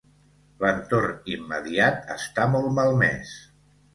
L'entorn immediat està molt malmès.